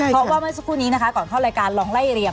เพราะว่าเมื่อสักครู่นี้นะคะก่อนเข้ารายการลองไล่เรียง